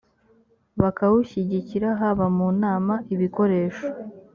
bakawushyigikira haba mu nama ibikoresho